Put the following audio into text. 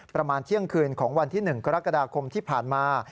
ประมาณเที่ยงคืนของวันที่๑กรกฎาคมที่ผ่านมา